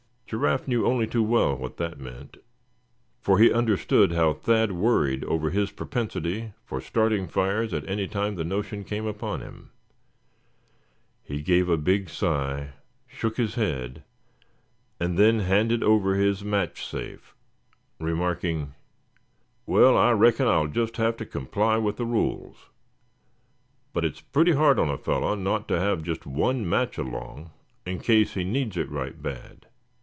Giraffe knew only too well what that meant, for he understood how Thad worried over his propensity for starting fires at any time the notion came upon him. He gave a big sigh, shook his head, and then handed over his matchsafe, remarking: "Well, I reckon I'll just have to comply with the rules; but it's pretty hard on a feller, not to have just one match along, in case he needs it right bad.